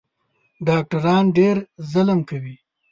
ډاکټران ډېر ظلم کوي